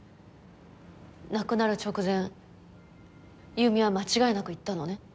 亡くなる直前優美は間違いなく言ったのね？